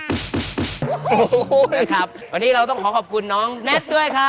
โอ้โหนะครับวันนี้เราต้องขอขอบคุณน้องแน็ตด้วยครับ